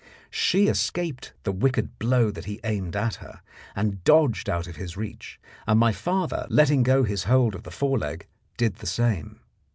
She escaped the wicked blow that he aimed at her, and dodged out of his reach, and my father, letting go his hold of the fore leg, did the same.